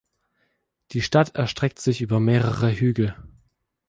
Die Stadt erstreckt sich über mehrere Hügel.